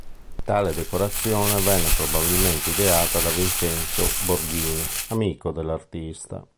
Tale decorazione venne probabilmente ideata da Vincenzo Borghini, amico dell'artista.